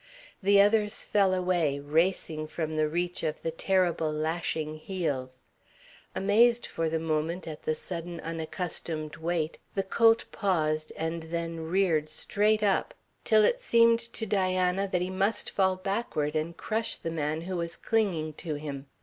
The others fell away, racing from the reach of the terrible lashing heels. Amazed for the moment at the sudden unaccustomed weight, the colt paused, and then reared straight up, till it seemed to Diana that he must fall backward and crush the man who was clinging to him.